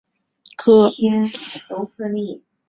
和平鸟科是鸟纲雀形目中的一个科。